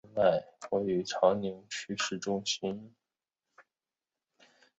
上海中山公园位于上海长宁区市中心。